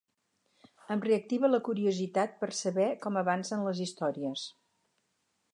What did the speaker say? Em reactiva la curiositat per saber com avancen les històries.